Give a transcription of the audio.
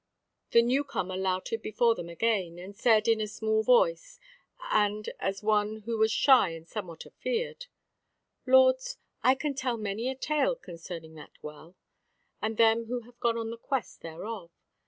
The new comer lowted before them again, and said in a small voice, and as one who was shy and somewhat afeared: "Lords, I can tell many a tale concerning that Well, and them who have gone on the quest thereof.